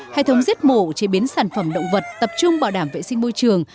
hệ thống giết mổ chế biến sản phẩm động vật tập trung bảo đảm vệ sinh môi trường